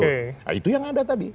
nah itu yang ada tadi